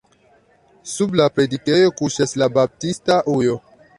Sub la predikejo kuŝas la baptista ujo.